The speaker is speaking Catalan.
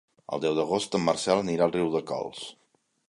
El deu d'agost en Marcel anirà a Riudecols.